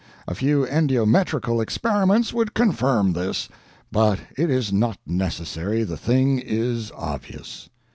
A few endiometrical experiments would confirm this, but it is not necessary. The thing is obvious."